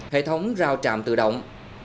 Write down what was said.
hệ thống rao trạm tự động